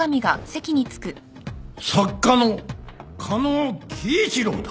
作家の加納喜一郎だ。